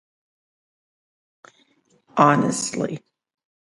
Honestly.